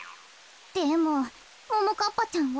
でもももかっぱちゃんは？